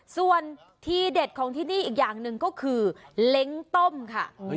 ส่วนที่เด็ดของที่นี่อีกอย่างหนึ่งก็คือเล้งต้มค่ะ